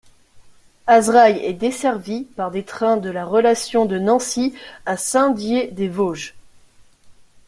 Azrailles est desservie par des trains de la relation de Nancy à Saint-Dié-des-Vosges.